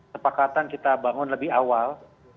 sepakatan kita bangun lebih awal